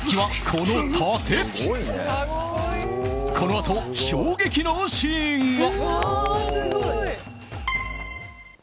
このあと、衝撃のシーンが。